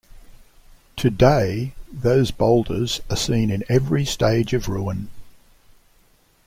To-day those boulders are seen in every stage of ruin.